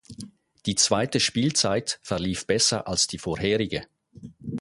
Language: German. Die zweite Spielzeit verlief besser als die vorherige.